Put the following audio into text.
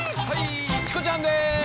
はいチコちゃんです！